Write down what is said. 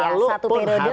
kalaupun harus ada periode